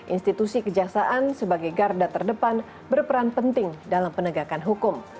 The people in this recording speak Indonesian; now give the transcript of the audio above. institusi kejaksaan sebagai garda terdepan berperan penting dalam penegakan hukum